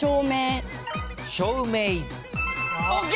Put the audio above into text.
ＯＫ！